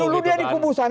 dulu dia dikumpul sana kan